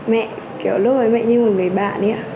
mẹ kiểu lúc ấy mẹ như một người bạn ý ạ